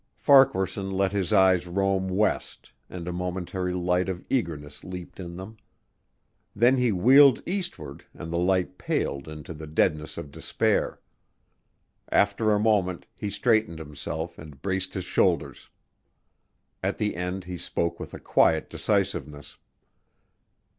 Farquaharson let his eyes roam west and a momentary light of eagerness leaped in them. Then he wheeled eastward and the light paled into the deadness of despair. After a moment he straightened himself and braced his shoulders. At the end he spoke with a quiet decisiveness.